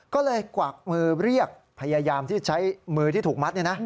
ก็เลยกวักมือเรียกพยายามที่ใช้มือที่ถูกมัด